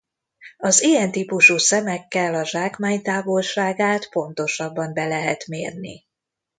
Az ilyen típusú szemekkel a zsákmány távolságát pontosabban be lehet mérni.